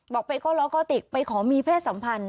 บอกไปก้อล็อกอติกไปขอมีเพศสัมพันธ์